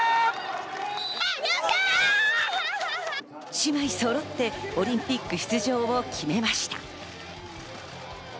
姉妹そろってオリンピック出場を決めました。